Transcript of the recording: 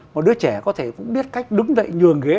một đứa trẻ có thể cũng biết cách đứng dậy nhường ghế